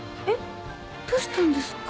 どうしたんですか？